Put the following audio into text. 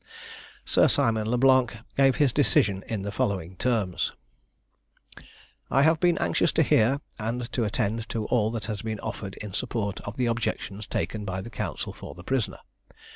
Sir Simon Le Blanc gave his decision in the following terms: "I have been anxious to hear and to attend to all that has been offered in support of the objections taken by the counsel for the prisoner.